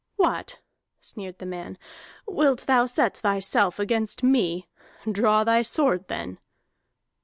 "What," sneered the man, "wilt thou set thyself against me? Draw thy sword, then!"